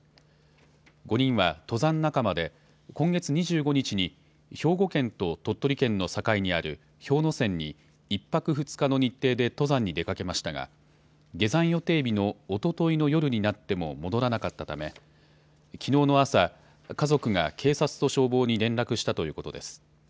５人は登山仲間で今月２５日に兵庫県と鳥取県の境にある氷ノ山に１泊２日の日程で登山に出かけましたが下山予定日のおとといの夜になっても戻らなかったためきのうの朝、家族が警察と消防に連絡したということです。